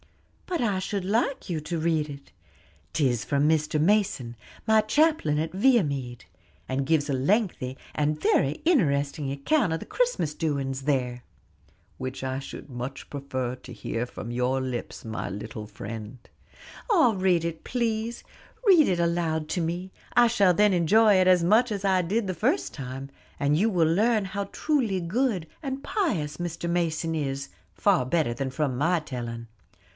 "But I should like you to read it; 'tis from Mr. Mason, my chaplain at Viamede, and gives a lengthy, and very interesting account of the Christmas doings there." "Which I should much prefer to hear from your lips, my little friend." "Ah, read it, please; read it aloud to me; I shall then enjoy it as much as I did the first time; and you will learn how truly good and pious Mr. Mason is, far better than from my telling.